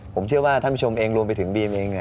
ผมเชื่อว่าท่านผู้ชมเองรวมไปถึงบีมเอง